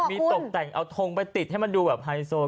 มีตกแต่งเอาทงไปติดให้มันดูแบบไฮโซ